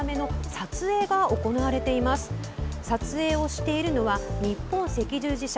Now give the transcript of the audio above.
撮影をしているのは日本赤十字社。